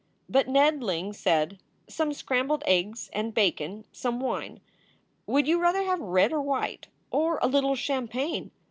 But Ned Ling said: "Some scrambled eggs and bacon some wine. Would you rather have red or white? or a little champagne?